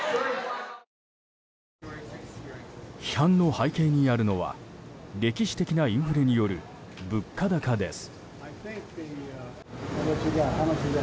批判の背景にあるのは歴史的なインフレによる物価高です。